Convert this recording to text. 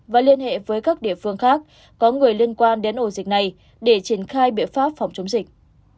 và liên hệ với các địa phương khác có người liên quan đến ổ dịch này để triển khai biện pháp phòng chống dịch